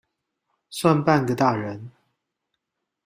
算半個大人